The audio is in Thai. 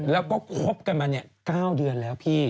แล้วก็คบกันมา๙เดือนแล้วพี่